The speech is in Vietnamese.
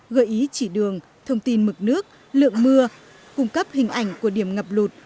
gợi ý chỉ đường thông tin mực nước lượng mưa cung cấp hình ảnh của điểm ngập lụt